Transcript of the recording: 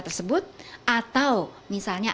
tersebut atau misalnya